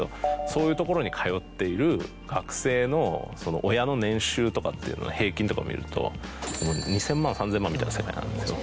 そういうところに通っている学生の親の年収っていうのは平均とかを見ると２０００万３０００万みたいな世界なんですよ。